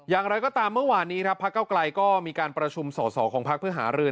อย่างไรก็ตามเมื่อวานนี้ครับพักเก้าไกลก็มีการประชุมสอสอของพักเพื่อหารือ